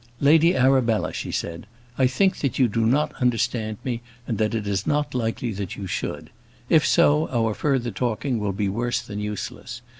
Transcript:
"Lady Arabella," she said, "I think that you do not understand me, and that it is not likely that you should. If so, our further talking will be worse than useless.